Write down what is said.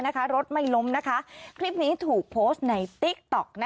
นั่นเนี่ย